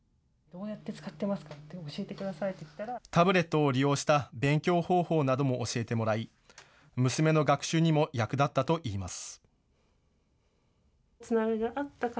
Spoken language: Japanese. タブレットを利用した勉強方法なども教えてもらい娘の学習にも役立ったといいます。